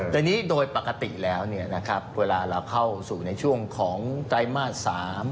แต่นี้โดยปกติแล้วในช่วงของไตรมาส๓